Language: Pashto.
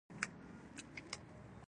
دا هدف کیدای شي سیمه ایز یا نړیوال وي